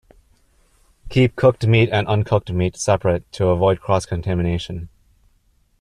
Keep cooked meat and uncooked meat separate to avoid cross-contamination.